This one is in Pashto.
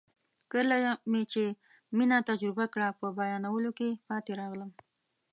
کله مې چې مینه تجربه کړه په بیانولو کې پاتې راغلم.